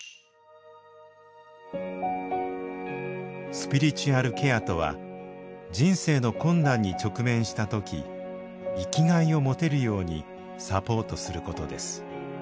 スピリチュアルケアとは人生の困難に直面した時生きがいを持てるようにサポートすることです。